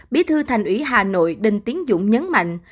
bí thư thành ủy hà nội đinh tiến dũng nhấn mạnh